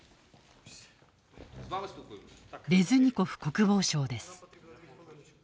レズニコフ国防相です。